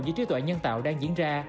với trí tuệ nhân tạo đang diễn ra